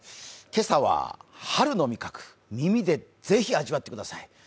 今朝は春の味覚、耳でぜひ味わってください。